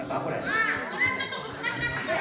ああそれはちょっとむずかしかったかな。